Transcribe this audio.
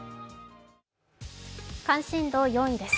関心度４位です。